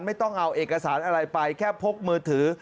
ไม่ต้องเอาเอกสารอะไรไปแค่พกมือถือ